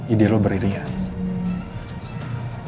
ide lo beririan